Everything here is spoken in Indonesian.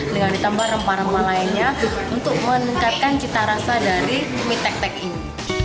dengan ditambah rempah rempah lainnya untuk meningkatkan cita rasa dari mie tek tek ini